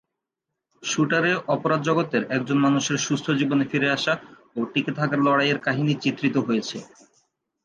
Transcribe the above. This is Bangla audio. শুটার-এ অপরাধ জগতের একজন মানুষের সুস্থ জীবনে ফিরে আসা ও টিকে থাকার লড়াইয়ের কাহিনি চিত্রিত হয়েছে।